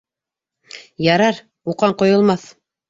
Ярар, уҡаң ҡойолмаҫ!